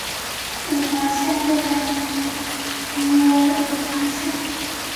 五华县被改名名为五华县。